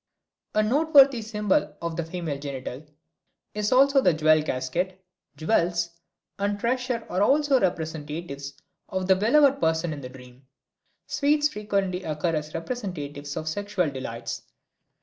A noteworthy symbol of the female genital is also the jewel casket; jewels and treasure are also representatives of the beloved person in the dream; sweets frequently occur as representatives of sexual delights.